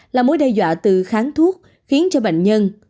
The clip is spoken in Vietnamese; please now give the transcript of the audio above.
là mối đe dọa từ kháng thuốc khiến cho bệnh nhân